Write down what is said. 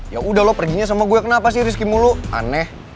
ya udah lo perginya sama gue kenapa sih rizky mulu aneh